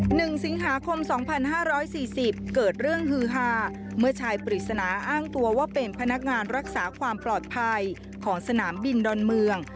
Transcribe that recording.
หนึ่งสิงหาคมสองพันห้าร้อยสี่สิบเกิดเรื่องฮือฮาเมื่อชายปริศนาอ้างตัวว่าเป็นพนักงานรักษาความปลอดภัยของสนามบินดอนเมือง